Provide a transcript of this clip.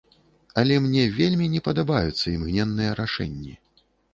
Але мне вельмі не падабаюцца імгненныя рашэнні.